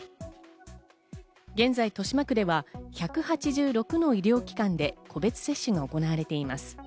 現在、豊島区では１８６の医療機関で個別接種が行われています。